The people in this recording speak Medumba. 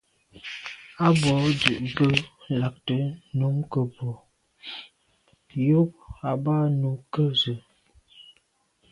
A bwô ndù be lagte nukebwô yub à ba nu ke ze.